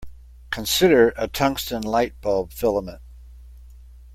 Consider a tungsten light-bulb filament.